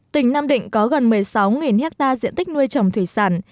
tỉnh nam định có gần một mươi sáu ha diện tích nuôi trồng thủy sản